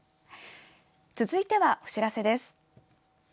続いてはお知らせです。